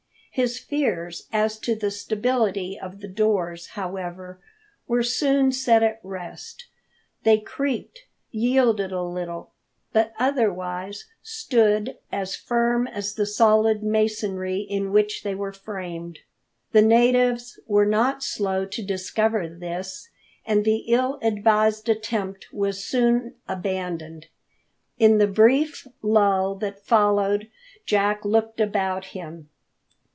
His fears as to the stability of the doors, however, were soon set at rest. They creaked, yielded a little, but otherwise stood as firm as the solid masonry in which they were framed. The natives were not slow to discover this, and the ill advised attempt was soon abandoned. In the brief lull that followed Jack looked about him.